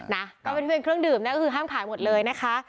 นะก็เป็นเครื่องดื่มนะก็คือห้ามขายหมดเลยนะคะ